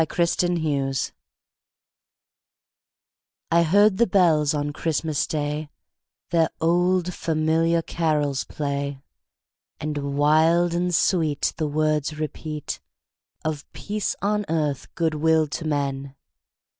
CHRISTMAS BELLS I heard the bells on Christmas Day Their old, familiar carols play, And wild and sweet The words repeat Of peace on earth, good will to men!